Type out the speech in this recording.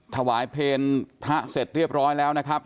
ถวายเพลพระเสร็จเรียบร้อยแล้วนะครับ